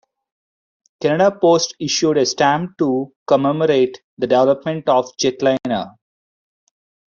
Canada Post issued a stamp to commemorate the development of the Jetliner.